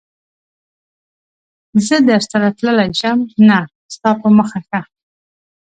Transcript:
زه درسره تللای شم؟ نه، ستا په مخه ښه.